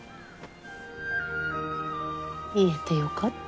言えてよかった。